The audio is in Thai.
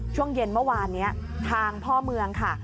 ช่วงเย็นเมื่อวานนี้ทางพ่อเมืองค่ะ